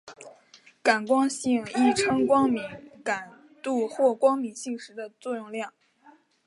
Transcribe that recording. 感光性亦称光敏感度或光敏性时的作用量。